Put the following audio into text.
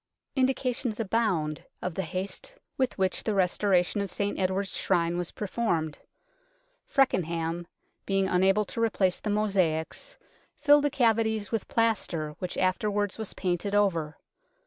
Indications abound of the haste with which the restoration of St Edward's Shrine was per formed. Feckenham, being unable to replace the mosaics, filled the cavities with plaster, which afterwards was painted over.